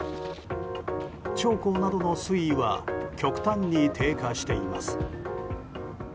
長江などの水位は極端に低下しています。